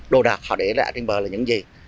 đồ đạc họ để lại trên bờ là những gì